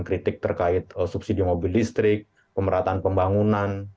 kritik terkait subsidi mobil listrik pemerataan pembangunan